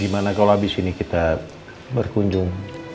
gimana kalo abis ini kita berkunjung